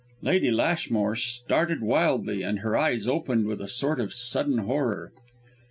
Lady Lashmore started wildly, and her eyes opened with a sort of sudden horror.